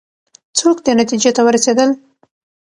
څوک دې نتیجې ته ورسېدل؟